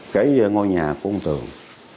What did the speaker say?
cái ngôi nhà của ông tường